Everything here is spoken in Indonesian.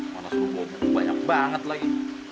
mana semua buku buku banyak banget lagi